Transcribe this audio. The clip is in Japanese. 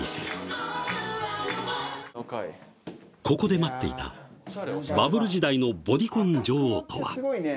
ここで待っていたバブル時代のボディコン女王とは？